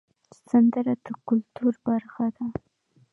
سندره د کلتور برخه ده